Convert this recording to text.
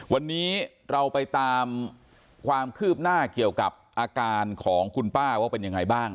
วันนี้เราไปตามความคืบหน้าเกี่ยวกับอาการของคุณป้าว่าเป็นยังไงบ้าง